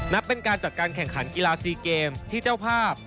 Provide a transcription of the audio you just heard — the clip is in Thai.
นับเป็นการจัดการแข่งขันกีฬาซีเกมที่เจ้าภาพ